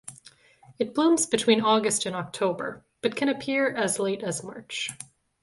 It blooms between August and October but can appear as late as March.